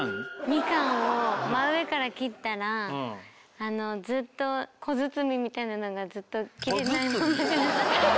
みかんを真上から切ったらずっと小包みたいなのがずっと切れない。